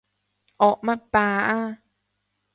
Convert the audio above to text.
惡乜霸啊？